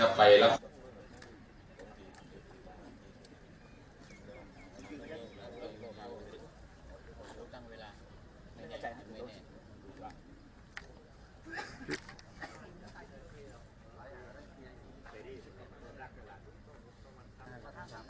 อันนี้มีเหตุการณ์ล้อมธรรมิเหตุครั้งหนึ่ง